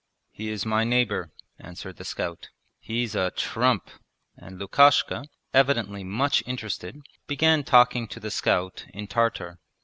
'He is my neighbour,' answered the scout. 'He's a trump!' and Lukashka, evidently much interested, began talking to the scout in Tartar.